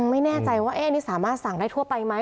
ไม่แน่ใจว่านี่สามารถสั่งได้ทั่วไปไหม